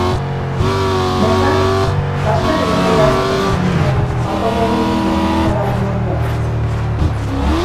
Bertan bazkari legea egiten ari ziren automobilismo munduko lagun mordoa.